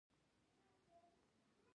د خربوزې د مګس درملنه څه ده؟